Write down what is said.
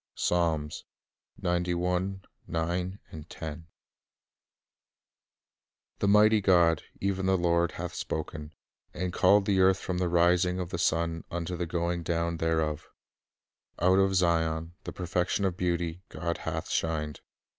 i "The mighty God, even the Lord, hath spoken, And called the earth from the rising of the sun unto the going down thereof. Out of Zion, the perfection of beauty, God hath shined.